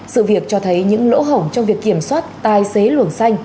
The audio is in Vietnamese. sự việc cho thấy những lỗ hổng trong việc kiểm soát tài xế luồng xanh